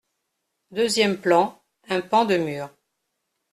Deuxième plan, un pan de mur.